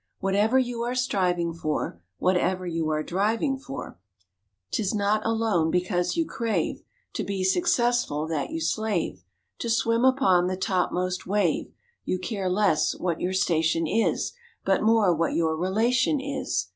Whatever you are striving for, Whatever you are driving for, 'T is not alone because you crave To be successful that you slave To swim upon the topmost wave. You care less what your station is, But more what your relation is.